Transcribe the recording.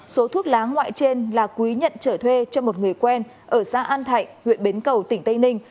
số thuốc lá ngoại trên là quý nhận trở thuê cho một người quen ở xã an thạnh huyện bến cầu tỉnh tây ninh